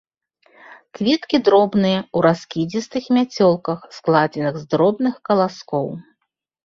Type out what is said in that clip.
Кветкі дробныя, у раскідзістых мяцёлках, складзеных з дробных каласкоў.